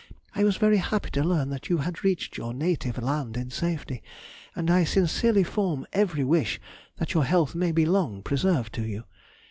I was very happy to learn that you had reached your native land in safety, and I sincerely form every wish that your health may be long preserved to you!